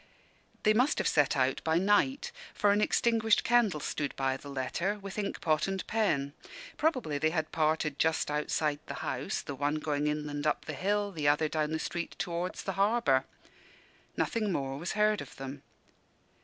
They must have set out by night; for an extinguished candle stood by the letter, with ink pot and pen. Probably they had parted just outside the house, the one going inland up the hill, the other down the street towards the harbour. Nothing more was heard of them.